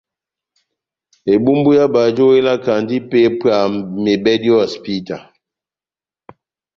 Ebumbu yá bajo elakandi ipépwa mebɛdi o hosipita.